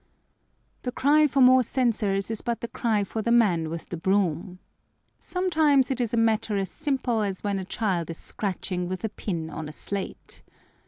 The cry for more censors is but the cry for the man with the broom. Sometimes it is a matter as simple as when a child is scratching with a pin on a slate.